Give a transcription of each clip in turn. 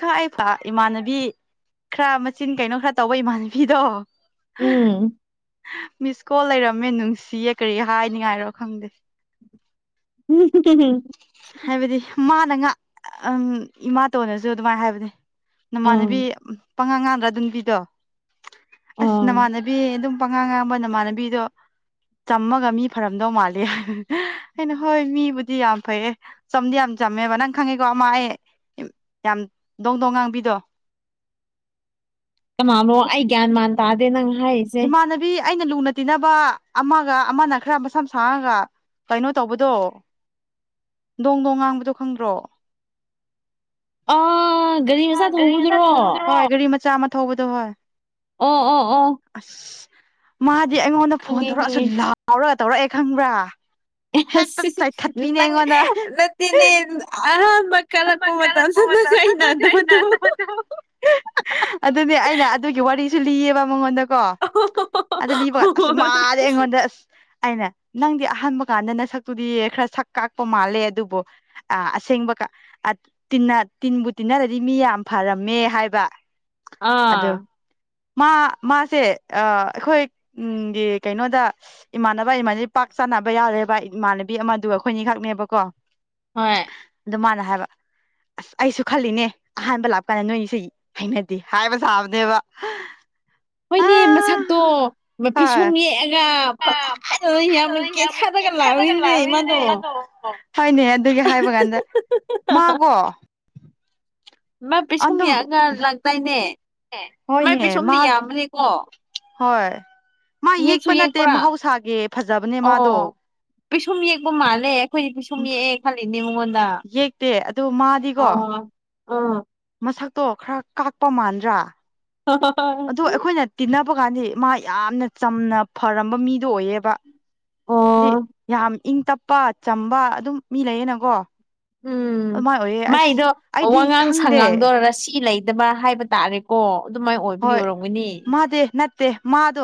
ꯈ ꯑꯦ ꯐꯥ ꯏꯃꯥꯟꯅꯕꯤ ꯈꯔ ꯃꯆꯤꯟ ꯀꯩꯅꯣ ꯈꯔ ꯇꯧꯕ ꯏꯃꯥꯟꯅꯕꯤꯗꯣ ꯎꯝ [unintelligible] ꯃꯤꯁ ꯀꯣꯜ ꯂꯩꯔꯝꯃꯦ ꯅꯨꯡꯁꯤꯌꯦ ꯀꯔꯤ ꯍꯥꯏꯅꯤꯉꯥꯏꯔꯣ ꯈꯪꯗꯦ [unintelligible] ꯍꯥꯏꯕꯗꯤ ꯃꯥꯅ ꯉꯥ ꯎꯝ ꯏꯃꯥ ꯇꯣꯟꯅꯁꯨ ꯑꯗꯨꯃꯥꯏꯅ ꯍꯥꯏꯕꯅꯦ ꯑꯥ ꯅꯃꯥꯟꯅꯕꯤ ꯄꯉꯥꯡ ꯉꯥꯡꯗ꯭ꯔꯥ ꯑꯗꯨ ꯅꯨꯄꯤꯗꯣ ꯑꯁ ꯑꯥ ꯅꯃꯥꯟꯅꯕꯤ ꯑꯗꯨꯝ ꯄꯉꯥꯡ ꯉꯥꯡꯕ ꯅꯃꯥꯟꯅꯕꯤꯗꯣ ꯆꯝꯃꯒ ꯃꯤ ꯐꯔꯝꯗꯧ ꯃꯥꯜꯂꯤ ꯑꯩꯅ ꯍꯣꯏ ꯃꯤꯕꯨꯗꯤ ꯌꯥꯝ ꯐꯩꯌꯦ ꯆꯝꯗꯤ ꯌꯥꯝ ꯆꯝꯃꯦꯕ ꯅꯪ ꯈꯪꯉꯤꯀꯣ ꯑꯃ ꯑꯩ ꯌꯥꯝ ꯗꯣꯡ ꯗꯣꯡ ꯉꯥꯡꯕꯤꯗꯣ ꯀꯅꯥꯅꯣ ꯑꯩ ꯒ꯭ꯌꯥꯟ ꯃꯥꯟ ꯇꯥꯗꯦ ꯅꯪ ꯍꯥꯏ ꯏꯃꯥꯟꯅꯕꯤ ꯑꯩꯅ ꯂꯨꯅ ꯇꯤꯟꯅꯕ ꯑꯃꯒ ꯑꯃꯅ ꯈꯔ ꯃꯁꯝ ꯁꯥꯡꯉꯒ ꯀꯩꯅꯣ ꯇꯧꯕꯗꯣ ꯗꯣꯡ ꯗꯣꯡ ꯉꯥꯡꯕꯗꯣ ꯈꯪꯗ꯭ꯔꯣ ꯑꯥ ꯒꯥꯔꯤ ꯃꯆꯥ ꯊꯧꯕꯗꯨꯔꯣ ꯍꯣꯢ ꯒꯥꯔꯤ ꯃꯆꯥ ꯑꯃ ꯊꯧꯕꯗꯣ ꯍꯣꯏ ꯑꯣ ꯑꯣ ꯑꯁ ꯃꯥꯗꯤ ꯑꯩꯉꯣꯟꯗ ꯐꯣꯟ ꯈꯪꯉꯦ ꯇꯧꯔꯛꯑꯁꯨ ꯈꯪꯉꯦ ꯂꯥꯎꯔꯒ ꯇꯧꯔꯛꯑꯦ ꯈꯪꯕ꯭ꯔꯥ ꯍꯦꯛꯇ [unintelligible] ꯆꯥꯏꯊꯠꯄꯤꯅꯦ ꯅꯪ ꯑꯩꯉꯣꯟꯗ ꯅꯠꯇꯦꯅꯦ ꯑꯍꯥꯟꯕ ꯀꯜꯂꯛꯄ ꯀꯂꯛꯄ ꯃꯇꯝꯁꯨꯅ ꯃꯇꯝꯗꯅ ꯑꯩꯅ ꯑꯗꯨꯗꯣ [unintelligible] ꯒꯤ ꯋꯥꯔꯤꯁꯨ ꯂꯤꯌꯦꯕ ꯃꯉꯣꯟꯗ ꯀꯣ ꯑꯗꯨ ꯂꯤꯕ ꯑꯁ ꯃꯥꯗꯤ ꯑꯩꯉꯣꯟꯗ ꯑꯁ ꯑꯩꯅ ꯅꯪꯗꯤ ꯑꯍꯥꯟꯕ ꯀꯥꯟꯗ ꯅꯁꯛꯇꯨꯗꯤ ꯈꯔ ꯁꯛ ꯀꯥꯛꯄ ꯃꯥꯜꯂꯦ ꯑꯗꯨꯕꯨ ꯑ ꯑꯁꯦꯡꯕꯀ ꯑ ꯇꯤꯟꯂ ꯇꯤꯟꯕꯨ ꯇꯤꯟꯅꯔꯗꯤ ꯃꯤ ꯌꯥꯝ ꯐꯔꯝꯃꯦ ꯍꯥꯏꯕ ꯑꯗꯨ ꯑꯥ ꯃꯥ ꯃꯥꯁꯦ ꯑꯥ ꯑꯩꯈꯣꯏꯒꯤ ꯀꯩꯅꯣꯗ ꯏꯃꯥꯟꯅꯕ ꯏꯃꯥꯟꯅ ꯄꯥꯛ ꯆꯥꯅꯕ ꯌꯥꯎꯔꯦꯕ ꯏꯃꯥꯟꯅꯕꯤ ꯑꯃꯗꯨ ꯑꯩꯈꯣꯏꯅꯤꯈꯛꯅꯦꯕꯀꯣ ꯍꯣꯏ ꯑꯗꯨ ꯃꯥꯅ ꯍꯥꯏꯕ ꯑꯁ ꯑꯩꯁꯨ ꯈꯜꯂꯤꯅꯦ ꯑꯍꯥꯟꯕ ꯂꯥꯞꯄ ꯀꯥꯟꯗ ꯅꯣꯏ [unintelligible] ꯑꯩꯅꯗꯤ ꯍꯥꯏꯕ ꯁꯥꯕꯅꯦꯕ ꯑ ꯍꯣꯏꯅꯦ ꯃꯁꯛꯇꯣ ꯍꯣꯏ ꯄꯤꯁꯨꯝ ꯌꯦꯛꯑꯒ ꯐꯖ ꯑ ꯍꯥꯏꯗꯅ ꯌꯥꯝꯅ ꯐꯖꯅ ꯀꯦꯊꯔꯒ ꯂꯥꯛ ꯑꯧꯋꯤꯅꯦ ꯃꯥꯗꯣ ꯍꯣꯢꯅꯦ ꯑꯗꯨꯒꯤ ꯍꯥꯏꯕ ꯀꯥꯟꯗ ꯃꯥꯀꯣ ꯃꯥ ꯄꯤꯁꯨꯝ ꯑꯗꯨꯝ ꯌꯦꯛꯑꯒ ꯂꯤꯛꯗꯥꯏꯅꯦ ꯃꯥꯏ ꯍꯣꯏꯅꯦ ꯃꯥ ꯄꯤꯁꯨꯝꯗꯤ ꯌꯥꯝꯕꯅꯦꯀꯣ ꯍꯣꯏ ꯃꯥ ꯌꯦꯛꯄ ꯅꯠꯇꯦ ꯌꯦꯛꯄ꯭ꯔꯥ ꯃꯍꯧꯁꯥꯒꯤ ꯐꯖꯕꯅꯦ ꯃꯥꯗꯣ ꯑꯣ ꯄꯤꯁꯨꯝ ꯌꯦꯛꯄ ꯃꯥꯜꯂꯦ ꯑꯩꯈꯣꯏꯗꯤ ꯄꯤꯁꯨꯝ ꯌꯦꯛꯑꯦ ꯈꯂꯤꯅꯦ ꯃꯉꯣꯟꯗ ꯌꯦꯛꯇꯦ ꯑꯗꯨ ꯑ ꯃꯥꯗꯤꯀꯣ ꯎ ꯃꯁꯛꯇꯣ ꯈꯔ ꯀꯥꯛꯄ ꯃꯥꯟꯗ꯭ꯔꯥ [unintelligible] ꯑꯗꯣ ꯑꯩꯈꯣꯏꯅ ꯇꯤꯟꯅꯕ ꯀꯥꯟꯗꯤ ꯃꯥ ꯌꯥꯝꯅ ꯆꯝꯅ ꯐꯔꯝꯕ ꯃꯤꯗꯣ ꯑꯣꯏꯌꯦꯕ ꯍꯥꯏꯗꯤ ꯑꯣ ꯌꯥꯝ ꯏꯪ ꯇꯞꯄ ꯆꯝꯕ ꯑꯗꯨꯝ ꯃꯤ ꯂꯩꯌꯦꯅꯀꯣ ꯎꯝ ꯑꯗꯨꯃꯥꯏ ꯑꯣꯏꯌꯦ ꯑꯁ ꯃꯥꯏꯗꯣ ꯑꯩꯗꯤ ꯋꯥꯉꯥꯡ ꯈꯪꯗꯦ ꯁꯉꯥꯡꯗꯣ ꯔꯁꯤ ꯂꯩꯇꯕ ꯍꯥꯏꯕ ꯇꯥꯔꯦꯀꯣ ꯑꯗꯨꯃꯥꯏ ꯑꯣꯏꯕꯒꯤ ꯍꯣꯏ ꯑꯣꯏꯔꯝꯒꯅꯤ ꯅꯠꯇꯦ ꯅꯠ ꯗꯦ ꯃꯥꯗꯣ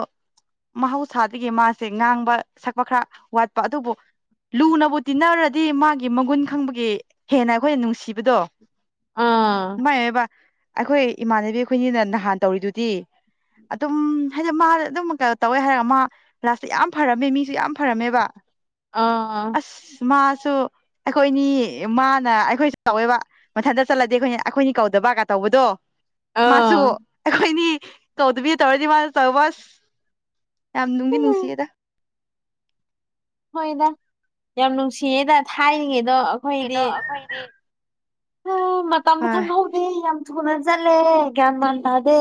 ꯃꯍꯧꯁꯥꯗꯒꯤ ꯃꯥꯁꯦ ꯉꯥꯡꯕ ꯁꯛꯄ ꯈꯔ ꯋꯥꯠꯄ ꯑꯗꯨꯕꯨ ꯂꯨꯅꯕꯨ ꯇꯤꯟꯅꯔꯗꯤ ꯃꯥꯒꯤ ꯃꯒꯨꯟ ꯈꯪꯕꯒꯤ ꯍꯦꯟꯅ ꯑꯩꯈꯣꯏꯅ ꯅꯨꯡꯁꯤꯕꯗꯣ ꯑꯥ ꯃꯥꯥꯏꯕ ꯑꯩꯈꯣꯏ ꯏꯃꯥꯟꯅꯕꯤ ꯑꯩꯈꯣꯏꯅꯤꯅ ꯅꯍꯥꯟ ꯇꯧꯔꯤꯗꯨꯗꯤ ꯑꯗꯨꯝ ꯍꯥꯏꯗꯤ ꯃꯥ ꯑꯗꯨꯝ ꯀꯩꯅꯣ ꯇꯧꯋꯦ ꯍꯥꯏꯔꯒ ꯃꯥ ꯔꯥꯁꯇꯥ ꯌꯥꯝ ꯐꯔꯝꯃꯦ ꯃꯤꯁꯨ ꯌꯥꯝ ꯐꯔꯝꯃꯦꯕ ꯑꯥ ꯑ ꯃꯥꯁꯨ ꯑꯩꯈꯣꯏꯅꯤ ꯃꯥꯅ ꯑꯩꯈꯣꯏꯁꯨ ꯇꯧꯋꯦꯕ ꯃꯊꯟꯇ ꯆꯠꯂꯗꯤ ꯑꯩꯈꯣꯏ ꯑꯩꯈꯣꯏꯅꯤ ꯀꯧꯗꯕꯒ ꯇꯧꯕꯗꯣ ꯑꯥ ꯃꯥꯁꯨ ꯑꯩꯈꯣꯏꯅꯤ ꯇꯧꯗꯕꯤ ꯇꯧꯔꯗꯤ ꯃꯥ ꯇꯧꯕꯁ ꯌꯥꯝ ꯅꯨꯡꯗꯤ ꯎꯝ ꯅꯨꯡꯁꯤꯌꯦꯗ ꯍꯣꯏꯗ ꯌꯥꯝ ꯅꯨꯡꯁꯤꯌꯦꯗ ꯊꯥꯏꯅꯉꯩꯗꯣ ꯉꯗꯣ ꯑꯩꯈꯣꯏꯗꯤ ꯃꯇꯝꯗ ꯍꯣꯏ ꯈꯪꯍꯧꯗꯦ ꯌꯥꯝ ꯊꯨꯅ ꯆꯠꯂꯦ ꯒ꯭ꯌꯥꯟ ꯃꯥꯟ ꯇꯥꯗꯦ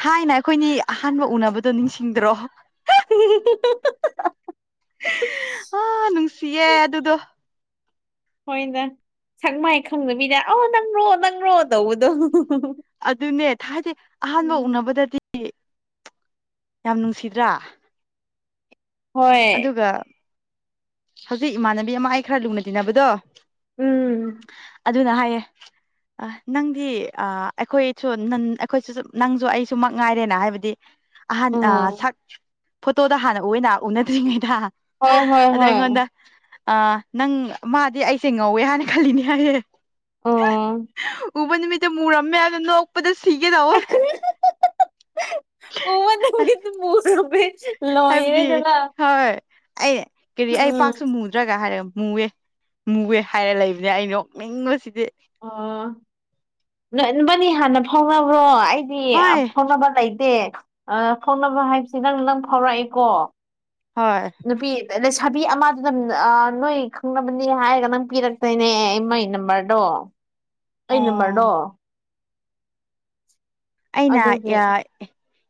ꯊꯥꯏꯅ ꯑꯩꯈꯣꯏꯅꯤ ꯑꯍꯥꯟꯕ ꯎꯅꯕꯗꯣ ꯅꯤꯡꯁꯤꯡꯗ꯭ꯔꯣ [inaudible] ꯑꯥ ꯅꯨꯡꯁꯤꯌꯦ ꯑꯗꯨꯗꯣ ꯍꯣꯏꯅ ꯁꯛ ꯃꯥꯏ ꯈꯪꯗꯕꯤꯗ ꯑ ꯅꯪꯔꯣ ꯅꯪꯔꯣ ꯇꯧꯕꯗꯣ ꯑꯗꯨꯅꯦ ꯍꯥꯏꯗꯤ ꯑꯍꯥꯟꯕ ꯎꯝ ꯎꯅꯕꯗꯗꯤ ꯌꯥꯝ ꯅꯨꯡꯁꯤꯗ꯭ꯔꯥ ꯍꯣꯏ ꯑꯗꯨꯒ ꯍꯧꯖꯤꯛ ꯏꯃꯥꯟꯅꯕꯤ ꯑꯃ ꯑꯩ ꯈꯔ ꯂꯨꯅ ꯇꯤꯟꯅꯕꯗꯣ ꯎꯝ ꯑꯗꯨꯅ ꯍꯥꯏꯌꯦ ꯑ ꯅꯪꯗꯤ ꯑ ꯑꯩꯈꯣꯏꯁꯨ ꯅ ꯑꯩꯈꯣꯏ ꯅꯪꯁꯨ ꯑꯩꯁꯨꯃꯛ ꯉꯥꯏꯔꯦꯅ ꯍꯥꯏꯕꯗꯤ ꯑꯍꯥꯟ ꯑ ꯁꯛ ꯐꯣꯇꯣꯗ ꯍꯥꯟꯅ ꯑꯣꯏꯅ ꯎꯅꯗ꯭ꯔꯤꯉꯩꯗ ꯍꯣꯏ ꯍꯣꯏ ꯑꯗꯥ ꯍꯣꯏ ꯑꯩꯉꯣꯟꯗ ꯑꯥ ꯅꯪ ꯃꯥꯗꯤ ꯑꯩꯁꯦ ꯉꯧꯋꯦ ꯍꯥꯏꯅ ꯈꯜꯂꯤꯅꯦ ꯍꯥꯏꯌꯦ ꯑꯣ ꯎꯕ ꯅꯨꯃꯤꯠꯇ ꯃꯨꯔꯝꯃꯦꯗ ꯅꯣꯛꯄꯗ ꯁꯤꯒꯦꯗꯧꯑ ꯑꯕ ꯑ ꯅꯨꯃꯤꯠꯇꯥ ꯃꯨꯔꯨꯃ° ꯍꯥꯏꯕꯗꯤ ꯂꯣꯏꯔꯦꯗꯅ ꯍꯣꯏ ꯑꯩ ꯀꯔꯤ ꯑꯩ ꯎꯝ ꯄꯥꯛꯁꯨ ꯃꯨꯗ꯭ꯔꯒ ꯍꯥꯏꯔꯒ ꯃꯨꯋꯦ ꯃꯨꯒꯦ ꯍꯥꯏꯔ ꯂꯩꯕꯅꯦ ꯑꯩꯅꯣꯛ ꯅꯤꯡꯉꯣꯕꯁꯤꯗꯤ ꯑꯣ ꯅꯣꯏꯕꯅꯤ ꯍꯥꯟꯅ ꯐꯥꯎꯅꯕ꯭ꯔꯣ ꯑꯩ ꯍꯣꯏ ꯐꯥꯎꯅꯕ ꯂꯩꯇꯦ ꯑꯥ ꯐꯥꯎꯅꯕ ꯍꯥꯏꯕꯁꯤ ꯅꯪ ꯅꯪ ꯐꯥꯎꯔꯛꯑꯦꯀꯣ ꯍꯣꯏ ꯅꯨꯄꯤ ꯂꯩꯁꯥꯕꯤ ꯑꯃꯗꯨꯗ ꯅꯣꯏ ꯈꯪꯅꯕꯅꯦ ꯍꯥꯏꯔꯒ ꯅꯪ ꯄꯤꯔꯛꯇꯣꯏꯅꯦ ꯃꯥꯏ ꯅꯝꯕꯔ ꯗꯣ ꯑꯩ ꯅꯝꯕꯔꯗꯣ ꯑꯣ ꯑꯩꯅ ꯑꯗꯨꯒꯤ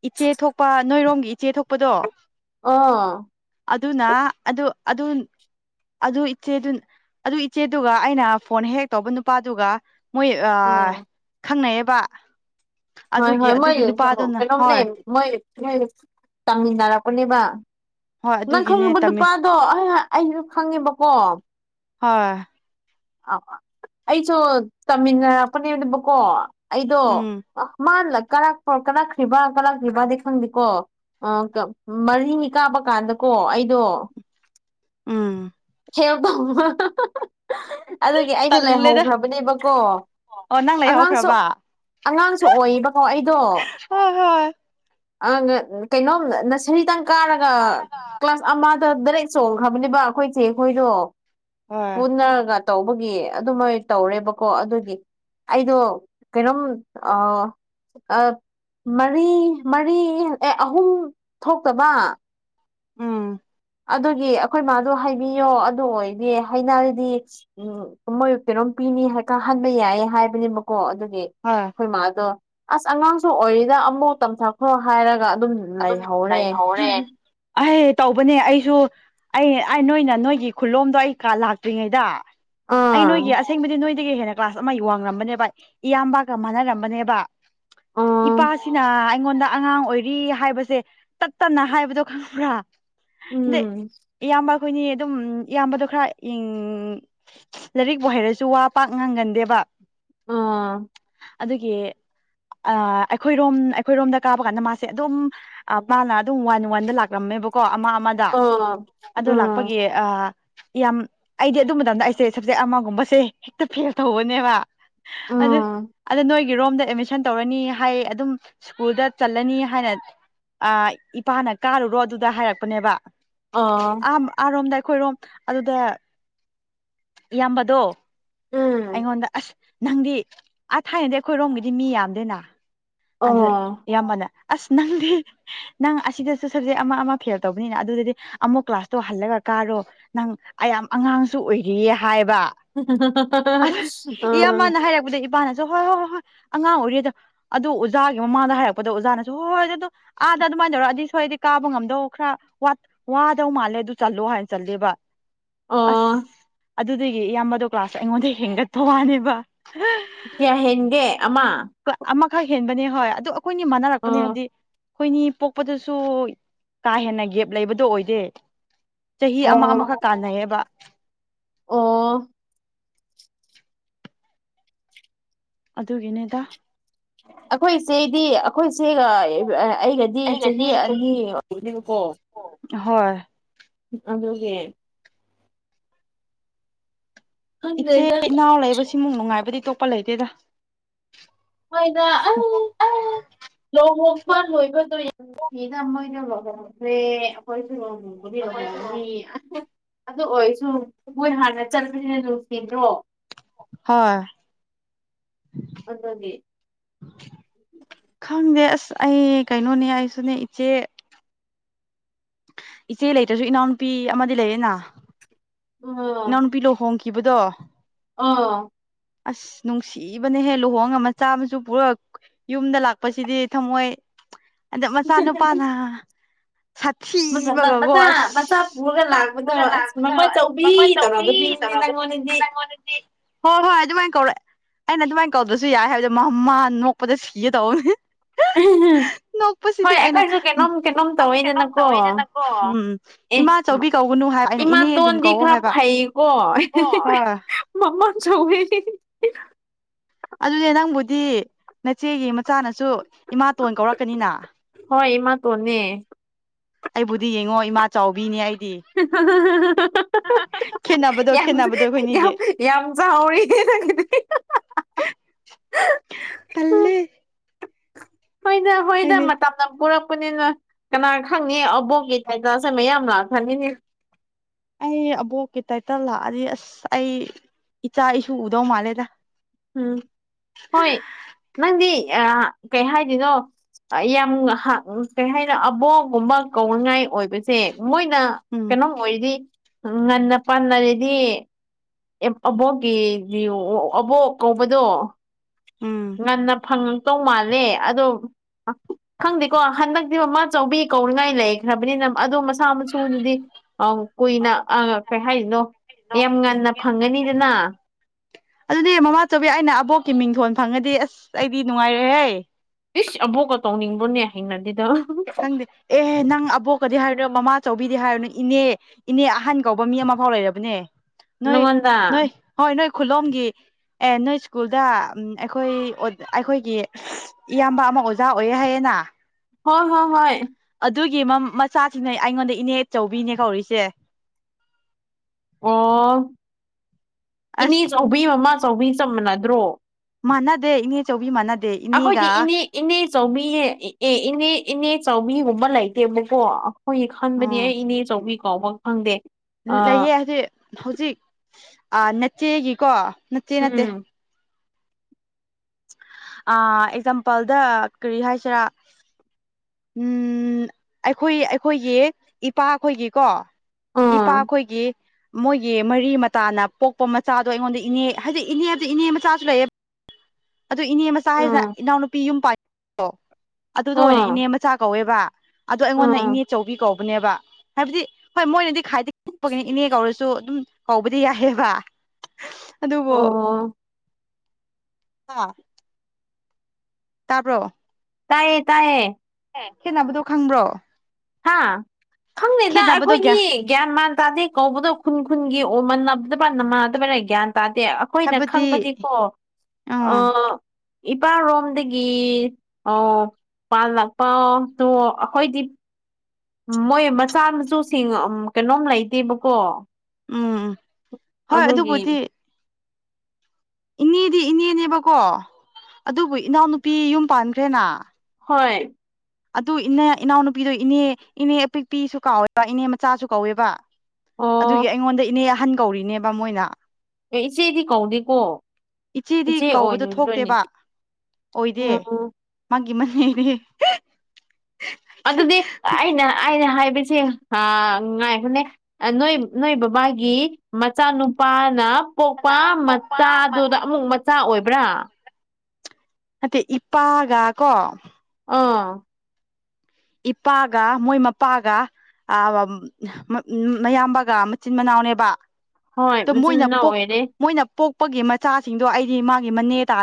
ꯏꯆꯦ ꯊꯣꯛꯄ ꯅꯣꯏꯔꯣꯝꯒꯤ ꯏꯆꯦ ꯊꯣꯛꯄꯗꯣ ꯑꯣ ꯑꯗꯨꯅ ꯑꯗꯨ ꯑꯗꯨ ꯑꯗꯨ ꯏꯆꯦꯗꯨ ꯑꯗꯨ ꯏꯆꯦꯗꯨꯒ ꯑꯩꯅ ꯐꯣꯟ ꯍꯦꯛ ꯇꯧꯕ ꯅꯨꯄꯥꯗꯨꯒ ꯃꯣꯏ ꯑꯥ ꯎꯝ ꯈꯪꯅꯩꯑꯌꯦꯕ ꯍꫭꯏ ꯍꫭꯏ ꯃꯣꯏ [inaudible] ꯍꯣꯏ ꯀꯩꯅꫭꯝꯅ° ꯃꯣꯏ ꯃꫭꯏ ꯇꯃꯤꯟꯅꯔꯛꯄꯅꯦꯕ ꯍꯣꯏ ꯅꯪ ꯑꯗꯨꯒꯤꯅꯦ ꯈꯪꯉꯨꯕ ꯇꯝꯃꯤ ꯅꯨꯄꯥ ꯗꫭ ꯑꯩ ꯑꯩꯁꯨ ꯈꯪꯉꯦꯕꯀꯣ ꯍꯣꯏ ꯑ ꯑꯩꯁꯨ ꯇꯝꯃꯤꯟꯅ ꯔꯛꯄꯅꯦꯕꯅꯦꯕꯀꯣ ꯑꯩꯗꯣ ꯎꯝ ꯑ ꯃꯥ ꯀꯄ ꯀꯥꯂꯛꯈ꯭ꯔꯤꯕ ꯀꯂꯛꯈ꯭ꯔꯤꯕꯗꯤ ꯈꯪꯗꯦꯀꯣ ꯑ ꯃꯔꯤꯅꯤ ꯀꯥꯞꯄ ꯀꯥꯟꯗꯀꯣ ꯑꯩꯗꯣ ꯑꯝ ꯍꯦꯜ ꯇꯧꯕ ꯑꯗꯨꯒꯤ ꯑꯩꯩꯗꫭ ꯇꯜꯂꯦꯗ ꯂꯩꯍꯧꯈ꯭ꯔꯕꯅꯦꯕꯀꯣ ꯑꯣ ꯅꯪ ꯑꯉꯥꯡꯁꯨ ꯂꯩꯍꯧꯈ꯭ꯔꯕ ꯑꯉꯥꯡꯁꯨ ꯑꯣꯏꯕꯀꯣ ꯑꯩꯗꯣ ꯍꯣꯏ ꯍꯣꯏ ꯑ ꯀꯩꯅꯣꯝ ꯅꯁꯔꯤꯗꯪ ꯀꯥꯔꯒ ꯀ꯭ꯂꯥꯁ ꯑꯃ [unintelligible] ꯗꯥꯔꯦꯛ ꯆꯣꯡꯈ꯭ꯔꯕꯅꯦꯕ ꯑꯩꯈꯣꯏꯆꯦ ꯈꯣꯏꯗꯣ ꯍꯣꯏ ꯄꯨꯟꯅꯔꯒ ꯇꯧꯕꯒꯤ ꯑꯗꯨꯃꯣꯏ ꯇꯧꯔꯦꯕꯀꯣ ꯑꯗꯨꯗꯤ ꯑꯩꯗꯣ ꯀꯩꯅꯣꯝ ꯑ ꯑ ꯃꯔꯤ ꯃꯔꯤ ꯑꯦ ꯑꯍꯨꯝ ꯊꯣꯛꯇꯕ ꯎꯝ ꯑꯗꯨꯒꯤ ꯑꯩꯈꯣꯏ ꯃꯥꯗꯣ ꯍꯥꯏꯕꯤꯌꯣ ꯑꯗꯨ ꯑꯣꯏꯔꯗꯤ ꯍꯥꯏꯅꯔꯗꯤ ꯎꯝ ꯃꯣꯏ ꯀꯩꯅꯣꯝ ꯄꯤꯅꯤ ꯀꯥꯍꯟꯕ ꯌꯥꯏꯌꯦ ꯍꯥꯏꯕꯅꯦꯕꯀꯣ ꯑꯗꯨꯒꯤ ꯍꯣꯏ ꯈꯣꯏ ꯃꯥ ꯑꯗꯣ ꯑꯁ ꯑꯉꯥꯡꯁꯨ ꯑꯣꯏꯔꯤꯗ ꯑꯃꯨꯛ ꯇꯝꯊꯈ꯭ꯔꯣ ꯍꯥꯏꯔꯒ ꯑꯗꯨꯝ ꯑꯗꯨꯝ ꯂꯩꯍꯧꯔꯦ ꯑꯩ ꯇꯧꯕꯅꯦ ꯑꯩꯁꯨ ꯑꯩ ꯑꯩ ꯅꯣꯏꯅ ꯅꯣꯏꯒꯤ ꯈꯨꯂꯣꯝꯗꯣ ꯑꯩ ꯂꯥꯛꯇ꯭ꯔꯤꯉꯩꯗ ꯑꯩ ꯑꯣ ꯅꯣꯏꯒꯤ ꯑꯁ ꯑꯁꯦꯡꯕꯗꯤ ꯅꯣꯏꯗꯒꯤ ꯍꯦꯟꯅ ꯀ꯭ꯂꯥꯁ ꯑꯃ ꯋꯥꯡꯉꯝꯕꯅꯦꯕ ꯏꯌꯥꯝꯕꯀ ꯃꯥꯟꯅꯔꯝꯕꯅꯦꯕ ꯏꯄꯥꯁꯤꯅ ꯑꯩꯉꯣꯟꯗ ꯑꯉꯥꯡ ꯑꯣꯏꯔꯤ ꯍꯥꯏꯕꯁꯦ ꯇꯠ ꯇꯅ ꯍꯥꯏꯕꯗꯣ ꯈꯪꯕ꯭ꯔꯥꯗꯦ ꯏꯌꯥꯝꯕ ꯑꯩꯈꯣꯏꯅꯤ ꯑꯗꯨꯝ ꯏꯌꯥꯝꯕꯗꯣ ꯈꯔ ꯌꯦ ꯂꯥꯏꯔꯤꯛꯄꯨ ꯍꯩꯔꯁꯨ ꯋꯥ ꯄꯥꯛ ꯉꯪꯒꯟꯗꯦꯕ ꯑ ꯑꯗꯨꯒꯤ ꯑ ꯑꯩꯈꯣꯏꯔꯣꯝ ꯑꯩꯈꯣꯏꯔꯣꯝꯗ ꯀꯥꯕ ꯀꯥꯟꯗ ꯃꯥꯁꯦ ꯑꯗꯨꯝ ꯑ ꯃꯥꯅ ꯑꯗꯨꯝ ꯋꯥꯟ ꯋꯥꯟꯗ ꯂꯥꯛꯂꯝꯃꯦꯕꯀꯣ ꯑꯃ ꯑꯃꯗ ꯑꯗꯣ ꯂꯥꯛꯄꯒꯤ ꯑ ꯌꯥꯝ ꯑꯩꯗꯤ ꯑꯗꯨ ꯃꯇꯝꯗ ꯑꯩꯁꯦ ꯁꯕꯖꯦꯛ ꯑꯃꯒꯨꯝꯕꯁꯦ ꯍꯦꯛꯇ ꯐꯦꯜ ꯇꯧꯕꯅꯦꯕ ꯑꯗ ꯑꯗ ꯅꯣꯏ ꯒꯤꯔꯣꯝꯗ ꯑꯦꯗꯃꯤꯁꯟ ꯇꯧꯔꯅꯤ ꯍꯥꯏ ꯑꯗꯨꯝ ꯁ꯭ꯀꯨꯜꯗ ꯆꯠꯂꯅꯤ ꯍꯥꯏꯅ ꯑ ꯏꯄꯥꯅ ꯀꯥꯔꯨꯔꯣ ꯑꯗꯨꯗ ꯍꯥꯏꯔꯛꯄꯅꯦꯕ ꯑꯥ ꯑꯥ ꯑꯥꯔꯣꯝꯗ ꯑꯩꯈꯣꯏꯔꯣꯝ ꯑꯗꯨꯗ ꯏꯌꯥꯝꯕꯗꯣ ꯑꯩꯉꯣꯟꯗ ꯑꯁ ꯅꯪꯗꯤ ꯑ ꯊꯥꯏꯅꯗꯤ ꯑꯩꯈꯣꯏꯔꯣꯝꯒꯤꯗꯤ ꯃꯤ ꯌꯥꯝꯗꯦꯅ ꯑꯗ ꯏꯌꯥꯝꯃꯅ ꯑꯁ ꯅꯪꯗꯤ ꯅꯪ ꯑꯁꯤꯗꯁꯨ ꯁꯞꯖꯦꯛ ꯑꯃ ꯑꯃ ꯐꯦꯜ ꯇꯧꯕꯅꯤꯅ ꯑꯗꯨꯗꯗꯤ ꯑꯃꯨꯛ ꯀ꯭ꯂꯥꯁꯇꯣ ꯍꯜꯂꯒ ꯀꯥꯔꯣ ꯅꯪ ꯑꯌꯥꯝ ꯑꯉꯥꯡꯁꯨ ꯑꯣꯏꯔꯤꯌꯦ ꯍꯥꯏꯕ ꯑꯗ ꯏꯌꯥꯝꯃꯅ ꯍꯥꯏꯔꯛꯄꯗ ꯏꯄꯥꯅꯁꯨ ꯍꯣꯏ ꯍꯣꯏ ꯍꯣꯏ ꯍꯣꯏ ꯑꯉꯥꯡ ꯑꯣꯏꯔꯤ ꯑꯗꯣ ꯑꯗꯨ ꯑꯣꯖꯥꯒꯤ ꯃꯃꯥꯡꯗ ꯍꯥꯏꯔꯛꯄꯗ ꯑꯣꯖꯥꯅꯁꯨ ꯍꯣꯏ ꯑꯗꯨ ꯑꯥꯗ ꯑꯗꯨꯃꯥꯏꯅ ꯇꯧꯔ ꯑꯗꯤ ꯁꯣꯏꯔꯗꯤ ꯀꯥꯕ ꯉꯝꯗꯧ ꯈꯔ ꯋꯥꯠ ꯋꯥꯗꯧ ꯃꯥꯜꯂꯦ ꯑꯗꯨ ꯆꯜꯂꯣ ꯍꯥꯏꯅ ꯆꯠꯂꯦꯕ ꯑꯁ ꯑꯗꯨꯗꯒꯤ ꯏꯌꯥꯝꯕꯗꯣ ꯀ꯭ꯂꯥꯁ ꯑꯩꯉꯣꯟꯗ ꯍꯦꯟꯒꯠꯄ ꯋꯥꯅꯦꯕ ꯀꯌꯥ ꯍꯦꯟꯒꯦ ꯑꯃ ꯑꯃꯈꯛ ꯍꯦꯟꯕꯅꯦ ꯍꯣꯏ ꯑꯗꯨ ꯑꯩꯈꯣꯏꯅꯤ ꯃꯥꯟꯅꯔꯛꯄꯅꯦ ꯑꯣ ꯍꯥꯏꯕꯗꯤ ꯑꯈꯣꯏꯅꯤ ꯄꯣꯛꯄꯗꯁꯨ ꯀꯥ ꯍꯦꯟꯅ ꯒꯦꯞ ꯂꯩꯕꯗꯣ ꯑꯣꯏꯗꯦ ꯆꯍꯤ ꯑꯃ ꯑꯣ ꯑꯃꯈꯛ ꯀꯥꯟꯅꯩꯌꯦꯕ ꯑꯣ ꯑꯗꯨꯒꯤꯅꯦꯗ ꯑꯩꯈꯣꯏ ꯏꯆꯦꯗꯤ ꯑꯩꯈꯣꯏ ꯏꯆꯦꯒ ꯑꯩꯒꯗꯤ ꯗꯤ ꯆꯍꯤ ꯑꯅꯤ ꯑꯣꯏꯕꯅꯦꯕꯀꯣ ꯀꯣ ꯍꯣꯏ ꯑꯗꯨꯒꯤ ꯏꯆꯦ ꯈꯪꯗꯦꯗ ꯏꯅꯥꯎ ꯂꯩꯕꯁꯤꯃꯨꯛ ꯅꯨꯡꯉꯥꯏꯕꯗꯤ ꯇꯣꯞꯄ ꯂꯩꯇꯦꯗ [unintelligible] ꯍꯣꯏꯗ ꯑꯪ ꯂꯣꯍꯣꯡ ꯍꯣꯡꯕ ꯂꯣꯏꯕꯗꯣ ꯌꯥꯝ ꯅꯨꯡꯁꯤꯗ ꯃꯣꯏꯗꯣ ꯂꯣꯍꯣꯡꯈ꯭ꯔꯦ ꯑꯈꯣꯏꯁꯨ [unintelligible] ꯂꯨꯗꯤ ꯂꯨꯍꯣꯡꯅꯤ [unintelligible] ꯑꯗꯨ ꯑꯣꯏꯔꯁꯨ ꯃꯣꯏ ꯍꯥꯟꯅ ꯆꯠ [unintelligible] ꯅꯨꯡꯁꯤꯗ꯭ꯔꯣ ꯍꯥ [unintelligible] ꯑꯗꯨꯒꯤ [unintelligible] ꯈꯪꯗꯦ ꯑꯁ ꯑꯩ ꯀꯩꯅꯣꯅꯦ ꯑꯩꯁꯨꯅꯦ ꯏꯆꯦ ꯏꯆꯦ ꯂꯩꯇ꯭ꯔꯁꯨ ꯏꯅꯥꯎꯅꯨꯄꯤ ꯑꯃꯗꯤ ꯂꯩꯔꯦꯅ ꯎꯝ ꯏꯅꯥꯎꯅꯨꯄꯤ ꯂꯨꯍꯣꯡꯈꯤꯕꯗꯣ ꯑꯥ ꯑꯁ ꯅꯨꯡꯁꯤꯕꯅꯦꯍꯦ ꯂꯨꯍꯣꯡꯉ ꯃꯆꯥ ꯃꯁꯨ ꯄꯨꯔꯛ [unintelligible] ꯌꯨꯝꯗ ꯂꯥꯛꯄꯁꯤꯗꯤ ꯊꯃꯣꯏ ꯑꯗ ꯃꯆꯥꯅꯨꯄꯥꯅ ꯃꯆꯥ ꯁꯥꯊꯤꯕꯒꯀꯣ ꯃꯆꯥ ꯑꯁ ꯄꯨꯔꯒ ꯃꯆꯥ ꯂꯥꯛꯄꯗꯣ ꯄꯨꯔꯒ ꯑꯁ ꯂꯥꯛꯄꯗꯣ ꯃꯃꯥ ꯑꯁ ꯆꯧꯕꯤ ꯃꯃꯥ ꯆꯧꯕꯤ ꯇꯧꯔꯒꯗꯣꯏꯅꯤꯅꯦ ꯇꯧꯔꯒ ꯅꯪꯉꯣꯟꯗꯗꯤ [unintelligible] ꯑꯩꯉꯣꯟꯗꯗꯤ ꯍꯣꯏ ꯍꯣꯏ ꯑꯗꯨꯃꯥꯏ ꯀꯧꯔꯛ ꯑꯩꯅ ꯑꯗꯨꯃꯥꯏ ꯀꯧꯗ꯭ꯔꯁꯨ ꯌꯥꯏ ꯍꯥꯏꯕꯁꯦ ꯃ ꯃꯥꯅ ꯅꯣꯛꯄꯗ ꯁꯤꯑꯦ ꯇꯧꯑ [unintelligible] [unintelligible] ꯅꯣꯛꯄꯁꯤꯗꯤ ꯍꯣꯏ ꯑꯩꯅ ꯑꯩꯈꯣꯏꯁꯨ ꯎꯝ ꯀꯩꯅꯣꯝ ꯀꯩꯅꯣꯝ ꯑꯪ ꯀꯩꯅꯣꯝ ꯇꯧꯋꯤꯗꯅꯀꯣ ꯇꯧꯋꯦꯅꯦ ꯅꯪꯀꯣ ꯎꯝ ꯏꯃꯥ ꯆꯧꯕꯤ ꯀꯧꯒꯅꯨ ꯍꯥꯏ ꯑꯩꯅ ꯏꯅꯦ ꯑꯗꯨꯝ ꯗꯤ ꯀꯧꯋꯣ ꯈꯔ ꯍꯥꯏꯕ ꯐꯩꯀꯣ [unintelligible] ꯍꯣꯏ ꯃꯃꯥ ꯆꯧꯕꯤꯗꯤ [unintelligible] ꯑꯗꯨꯅꯦ ꯅꯪꯕꯨꯗꯤ ꯅꯆꯦꯒꯤ ꯃꯆꯥꯅꯁꯨ ꯏꯃꯥꯇꯣꯟ ꯀꯧꯔꯛꯀꯅꯤꯅ ꯍꯣꯏ ꯏꯃꯥꯇꯣꯟꯅꯦ ꯑꯩꯕꯨꯗꯤ ꯌꯦꯡꯉꯣ ꯏꯃꯥ ꯆꯥꯎꯕꯤꯅꯦ ꯑꯩꯗꯤ [unintelligible] ꯈꯦꯠꯅꯕꯗꯣ [unintelligible] ꯌꯥꯝꯁꯨ ꯈꯦꯠꯅꯕꯗꯣ ꯑꯩꯈꯣꯏꯅꯤꯒꯤ ꯌꯥꯝ ꯌꯥꯝ ꯆꯥꯎꯔꯦ [unintelligible] [unintelligible] ꯇꯜꯂꯦ ꯍꯣꯏꯗ ꯍꯣꯏꯗ ꯈꯪꯗꯦ ꯃꯇꯞ ꯑꯥ ꯄꯨꯔꯛꯄꯅꯤꯅ ꯀꯅꯥ ꯈꯪꯅꯤ ꯑꯕꯣꯛꯀꯤ ꯀꯩꯅꯣꯁꯦ ꯃꯌꯥꯝ ꯂꯥꯛꯈ꯭ꯔꯅꯤꯅꯦ ꯑꯩ ꯑꯕꯣꯛꯀꯤ ꯇꯥꯏꯇꯜ ꯂꯥꯛꯑꯗꯤ ꯑꯁ ꯑꯩ ꯏꯆꯥ ꯏꯁꯨ ꯎꯗꯧ ꯃꯥꯜꯂꯦꯗ ꯎꯝ ꯍꯣꯏ ꯅꯪꯗꯤ ꯑꯥ ꯀꯩ ꯍꯥꯏꯗꯣꯏꯅꯣ ꯑ ꯌꯥꯝ ꯍꯥꯛ ꯀꯩ ꯍꯥꯏꯅ ꯑꯕꯣꯛꯒꯨꯝꯕ ꯀꯧꯅꯤꯡꯉꯥꯏ ꯑꯣꯏꯕꯁꯦ ꯃꯣꯏꯅ ꯎꯝ ꯀꯩꯅꯣꯝ ꯑꯣꯏꯔꯗꯤ ꯉꯟꯅ ꯄꯥꯟꯅꯔꯗꯤ ꯑꯦꯞ ꯑꯕꯣꯛꯀꯤ [unintelligible] ꯑꯕꯣꯛ ꯀꯧꯕꯗꯣ ꯎꯝ ꯉꯟꯅ ꯐꯪ [unintelligible] ꯇꯩ ꯃꯥꯜꯂꯦ ꯑꯗꯣ ꯑꯥ ꯈꯪꯗꯦꯀꯣ ꯍꯟꯗꯛꯇꯤ ꯃꯃꯥ ꯆꯧꯕꯤ ꯀꯧꯅꯤꯡꯉꯥꯏ ꯂꯩꯈ꯭ꯔꯕꯅꯤꯅ ꯑꯗꯨꯗꯣ ꯃꯁꯥ ꯃ [unintelligible] ꯊꯨꯗꯨꯗꯤ ꯑꯥ ꯀꯨꯏꯅ ꯑꯥ ꯀꯩ ꯍꯥꯏꯔꯤꯅꯣ ꯌꯥꯝ ꯉꯟꯅ ꯐꯪꯉꯅꯤꯗꯅ ꯑꯗꯨꯅꯦ ꯃꯃꯥ ꯆꯧꯕꯤ ꯑꯩꯅ ꯑꯕꯣꯛꯀꯤ ꯃꯤꯡꯊꯣꯟ ꯐꯪꯉꯗꯤ ꯑꯁ ꯑꯩꯗꯤ ꯅꯨꯡꯉꯥꯏꯔꯦꯍꯦ ꯏꯁ ꯑꯕꯣꯛꯀ ꯇꯧꯅꯤꯡꯕ꯭ꯔꯣꯅꯦ ꯍꯩꯅꯗꯦꯗ [unintelligible] ꯈꯪꯗꯦ ꯑꯦꯍꯦ ꯅꯪ ꯑꯕꯣꯛꯀꯗꯤ ꯍꯥꯏꯔꯨꯅꯣ ꯃꯃꯥ ꯆꯧꯕꯤꯗꯤ ꯍꯥꯏꯔꯨꯅꯨ ꯏꯅꯦ ꯏꯅꯦ ꯑꯍꯟ ꯀꯧꯕ ꯃꯤ ꯑꯃ ꯐꯧ ꯂꯩꯔꯕꯅꯦ ꯅꯣꯏ ꯅꯪꯉꯣꯟꯗ ꯅꯣꯏ ꯍꯣꯏ ꯅꯣꯏ ꯈꯨꯟꯂꯣꯝꯒꯤ ꯑꯦ ꯅꯣꯏ ꯁ꯭ꯀꯨꯜꯗ ꯎꯝ ꯑꯩꯈꯣꯏ ꯑꯣ ꯑꯩꯈꯣꯏꯒꯤ ꯁꯁ ꯏꯌꯥꯝꯕ ꯑꯃ ꯑꯣꯖꯥ ꯑꯣꯏꯌꯦ ꯍꯥꯏꯌꯦꯅꯥ ꯍꯣ ꯍꯣ ꯍꯣꯏ ꯑꯗꯨꯒꯤ ꯃꯥ ꯃꯆꯥꯁꯤꯡꯅꯦ ꯑꯩꯉꯣꯟꯗ ꯏꯅꯦ ꯆꯧꯕꯤꯅꯦ ꯀꯧꯔꯤꯁꯦ ꯑꯣ ꯏꯅꯦ ꯑꯁ ꯆꯧꯕꯤ ꯃꯃꯥ ꯆꯧꯕꯤ ꯆꯞ ꯃꯅꯗ꯭ꯔꯣ꯫ ꯃꯥꯟꯅꯗꯦ ꯏꯅꯦ ꯆꯧꯕꯤ ꯃꯥꯟꯅꯗꯦ ꯏ ꯑꯈꯣꯏꯗꯤ ꯏꯅꯦ ꯏꯅꯦ ꯆꯧꯃꯤ ꯑꯦ ꯏꯅꯦ ꯏꯅꯦ ꯆꯧꯕꯤꯒꯨꯝꯕ ꯂꯩꯇꯦꯕꯀꯣ ꯍꯣꯏꯌꯦ ꯈꯟꯕꯅꯤ ꯑꯥ ꯑꯩ ꯏꯅꯦ ꯆꯧꯕꯤ ꯀꯧꯕ ꯈꯪꯗꯦ ꯑ ꯂꯩꯌꯦ ꯍꯥꯏꯗꯤ ꯍꯧꯖꯤꯛ ꯑꯥ ꯅꯆꯦꯒꯤꯀꯣ ꯅꯆꯦ ꯅꯠꯇꯦ ꯎꯝ ꯑꯥ ꯑꯦꯛꯖꯥꯝꯄꯜꯗ ꯀꯔꯤ ꯍꯥꯏꯁꯦꯔꯥ ꯎꯝ ꯑꯩꯈꯣꯏ ꯑꯩꯈꯣꯏꯒꯤ ꯏꯄꯥ ꯈꯣꯏꯒꯤꯀꯣ꯫ ꯏꯄꯥ ꯑꯥ ꯈꯣꯏꯒꯤ ꯃꯣꯏꯒꯤ ꯃꯔꯤ ꯃꯇꯥꯅ ꯄꯣꯛꯄ ꯃꯆꯥꯗꯣ ꯑꯩꯉꯣꯟꯗ ꯏꯅꯦ ꯍꯥꯏꯗꯤ ꯏꯅꯦꯗꯤ ꯏꯅꯦ ꯃꯆꯥꯁꯨ ꯂꯩꯌꯦ ꯑꯗꯨ ꯏꯅꯦ ꯃꯆꯥ ꯍꯥꯏꯁꯤꯅ ꯑꯥ ꯏꯅꯥꯎꯅꯨꯄꯤ ꯌꯨꯝ ꯄꯥꯟ ꯗꯣ ꯑꯗꯨꯗꯣ ꯑꯣꯏꯅ ꯑꯥ ꯏꯅꯦ ꯃꯆꯥ ꯀꯧꯋꯦꯕ ꯑꯗꯨ ꯑꯩꯉꯣꯟꯗ ꯑꯥ ꯏꯅꯦꯆꯧꯕꯤ ꯀꯧꯕꯅꯦꯕ꯫ ꯍꯥꯏꯕꯗꯤ ꯍꯣꯏ ꯃꯣꯏꯅꯗꯤ ꯈꯥꯏꯗꯤꯛꯄꯒꯤꯅꯤ ꯏꯅꯦ ꯀꯧꯔꯁꯨ ꯑꯗꯨꯝ ꯀꯧꯕꯗꯤ ꯌꯥꯏꯌꯦꯕ꯫ ꯑꯗꯨꯕꯨ ꯑꯣ ꯍꯥꯥ ꯇꯥꯕ꯭ꯔꯣ ꯇꯥꯏꯌꯦ ꯇꯥꯏꯌꯦ ꯑꯦ ꯈꯦꯠꯅꯕꯗꯨ ꯈꯪꯕ꯭ꯔꯣ꯫ ꯍꯥ ꯈꯪꯗꯦꯗ ꯈꯦꯠꯅꯕꯗꯣ ꯑꯩꯈꯣꯏꯗꯤ ꯒ꯭ꯌꯥ ꯒ꯭ꯌꯥꯟ ꯃꯥꯟ ꯇꯥꯗꯦ ꯀꯧꯕꯗꯣ ꯈꯨꯟ ꯈꯨꯟꯒꯤ ꯑꯣꯏꯃꯟꯅꯗꯕꯅ ꯃꯥꯗꯕꯔꯦ ꯒ꯭ꯌꯥꯟ ꯇꯥꯗꯦ ꯑ ꯑꯈꯣꯏꯅ ꯍꯥꯏꯕꯗꯤ ꯈꯪꯕꯗꯤꯀꯣ ꯎꯝ ꯑꯥ ꯏꯄꯥꯔꯣꯝꯗꯒꯤ ꯑꯥ ꯄꯥꯜꯂꯛꯄꯇꯨ ꯑꯈꯣꯏꯗꯤ ꯃꯣꯏ ꯃꯆꯥ ꯃꯁꯆꯨꯁꯤꯡ ꯎꯝ ꯀꯩꯅꯣꯝ ꯂꯩꯇꯦꯕꯀꯣ꯫ ꯎꯝ ꯍꯣꯏ ꯑꯗꯨꯒꯤ ꯑꯗꯨꯕꯨꯗꯤ꯫ ꯏꯅꯦꯗꯤ ꯏꯅꯦꯅꯦꯕꯀꯣ ꯑꯗꯨꯕꯨ ꯏꯅꯥꯎꯅꯨꯄꯤ ꯌꯨꯝ ꯄꯥꯟꯈ꯭ꯔꯦꯅ꯫ ꯍꯣꯏ ꯑꯗꯨ ꯏꯅꯦ ꯏꯅꯥꯎꯅꯨꯄꯤꯗꯨ ꯏꯅꯦ ꯏꯅꯦ ꯑꯄꯤꯛꯄꯤꯁꯨ ꯀꯥꯎꯋꯦꯕ ꯏꯅꯦ ꯃꯆꯥꯁꯨ ꯀꯧꯋꯦꯕ꯫ ꯑꯗꯨꯒꯤ ꯑꯣ ꯑꯩꯉꯣꯟꯗ ꯏꯅꯦ ꯑꯍꯟ ꯀꯧꯔꯤꯅꯦꯕ ꯃꯣꯏꯅ꯫ ꯑꯦ ꯏꯆꯦꯗꯤ ꯀꯧꯗꯦꯀꯣ ꯏꯆꯦꯗꯤ ꯏꯆꯦ ꯀꯧꯕꯗꯣ ꯑꯣꯏꯔꯣꯏꯗ꯭ꯔꯣꯏꯅꯦ ꯫ ꯊꯣꯛꯇꯦꯕ ꯑꯣ ꯑꯣꯏꯗꯦ ꯑꯣ ꯃꯥꯒꯤ ꯃꯔꯤꯗꯤ ꯑꯗꯨꯗꯤ ꯑꯩꯅ ꯑꯩꯅ ꯍꯥꯏꯕꯁꯤꯡ ꯑꯥ ꯉꯥꯏꯈꯣꯅꯦ ꯑꯅꯣꯏ ꯅꯣꯏ ꯕꯕꯥꯒꯤ ꯃꯆꯥꯅꯨꯄꯥꯅ ꯄꯣꯛꯄ ꯃꯆꯥꯗꯨꯗ ꯑꯃꯨꯛ ꯃꯆꯥ ꯑꯣꯏꯕ꯭ꯔꯥ꯫ ꯅꯠꯇꯦ ꯏꯄꯥꯒ ꯀꯣ꯫ ꯑꯥ ꯏꯄꯥꯒ ꯃꯣꯏ ꯃꯄꯥꯒ꯫ ꯑꯥ ꯃꯌꯥꯝꯕꯒ ꯃꯆꯤꯟ ꯃꯅꯥꯎꯅꯦꯕ꯫ ꯍꯣꯏ ꯇꯨ ꯃꯆꯤꯟ ꯃꯣꯏꯅ ꯃꯅꯥꯎ ꯄꯣꯛ ꯑꯣꯏꯔꯦ ꯃꯣꯏꯅ ꯄꯣꯛꯄꯒꯤ ꯃꯆꯥꯁꯤꯡꯗꯨ ꯑꯩꯗꯤ ꯃꯥꯒꯤ ꯃꯅꯦ ꯇꯥꯔ